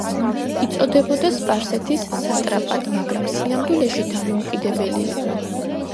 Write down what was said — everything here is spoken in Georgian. იწოდებოდა სპარსეთის სატრაპად, მაგრამ სინამდვილეში დამოუკიდებელი იყო.